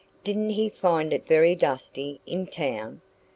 Didn't he find it very dusty in town?